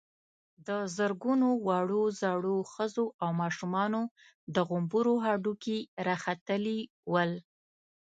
د زرګونو وړو_ زړو، ښځو او ماشومانو د غومبرو هډوکي را ختلي ول.